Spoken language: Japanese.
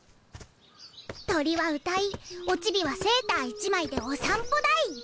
鳥は歌いオチビはセーター１枚でお散歩だい！